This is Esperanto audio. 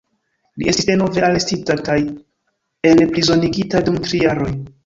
Li estis denove arestita kaj enprizonigita dum tri jaroj.